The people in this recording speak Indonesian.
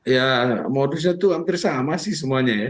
ya modusnya itu hampir sama sih semuanya ya